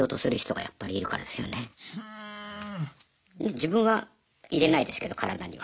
自分は入れないですけど体には。